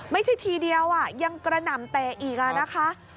ไม่ใช่ทีเดียวยังกระหน่ำเตะอีกแล้วนะคะ